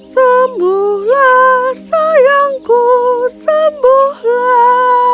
sembuhlah sayangku sembuhlah